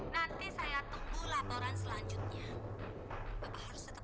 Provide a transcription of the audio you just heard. nanti saya tunggu laporan selanjutnya